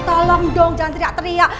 tolong dong jangan teriak teriak